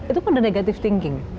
itu kan negative thinking